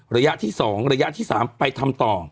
ระยะที่๒ระยะที่๓ไปทำต่อ